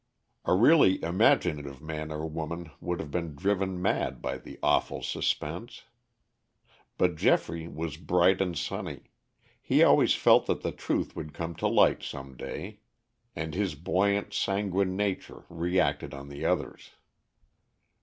A really imaginative man or woman would have been driven mad by the awful suspense. But Geoffrey was bright and sunny; he always felt that the truth would come to light some day. And his buoyant, sanguine nature reacted on the others.